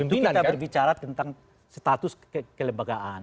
itu kita berbicara tentang status kekelembagaan